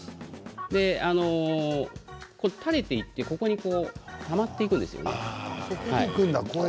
垂れていてたまっていくんですよね。